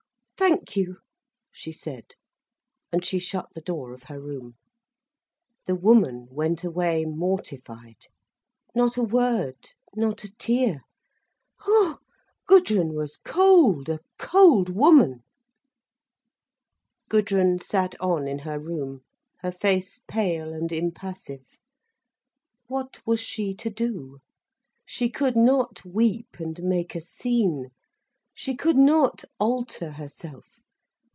"Thank you," she said, and she shut the door of her room. The woman went away mortified. Not a word, not a tear—ha! Gudrun was cold, a cold woman. Gudrun sat on in her room, her face pale and impassive. What was she to do? She could not weep and make a scene. She could not alter herself.